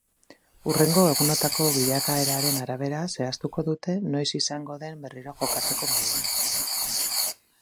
Hurrengo egunotako bilakaeraren arabera zehaztuko dute noiz izango den berriro jokatzeko moduan.